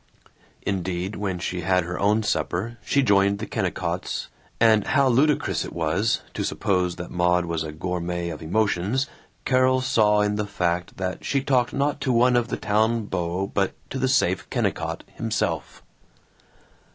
Indeed, when she had her own supper, she joined the Kennicotts, and how ludicrous it was to suppose that Maud was a gourmet of emotions Carol saw in the fact that she talked not to one of the town beaux but to the safe Kennicott himself!